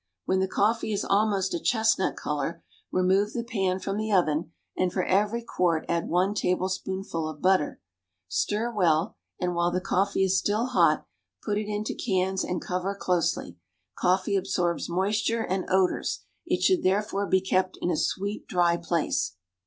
When the coffee is almost a chestnut color, remove the pan from the oven, and for every quart add one tablespoonful of butter. Stir well; and, while the coffee is still hot, put it into cans and cover closely. Coffee absorbs moisture and odors. It should therefore be kept in a sweet, dry place.